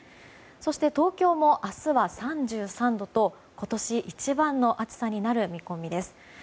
そして東京も明日は３３度と今年一番の暑さになる見込みです。